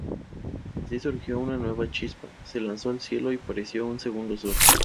Así surgió una nueva chispa, se lanzó al cielo y apareció un segundo sol.